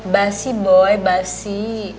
basi boy basi